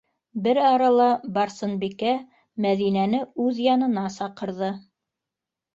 Бер арала Барсынбикә Мәҙинәне үҙ янына саҡырҙы.